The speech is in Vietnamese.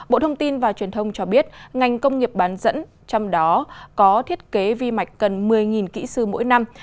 bộ thông tin và truyền thông cho biết ngành công nghiệp bán dẫn trong đó có thiết kế vi mạch cần một mươi kỹ sư mỗi năm